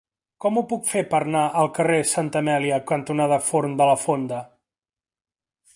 Com ho puc fer per anar al carrer Santa Amèlia cantonada Forn de la Fonda?